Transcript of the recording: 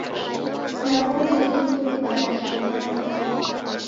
Naw'ona izungu ibaha jha w'andu.